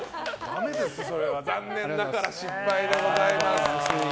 残念ながら失敗でございます。